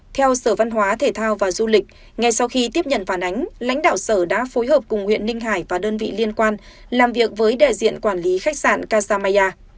theo sở văn hóa thể thao và du lịch ngay sau khi tiếp nhận phản ánh lãnh đạo sở đã phối hợp cùng huyện ninh hải và đơn vị liên quan làm việc với đại diện quản lý khách sạn kasa maya